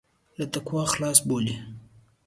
له تقوا خلاص بولي.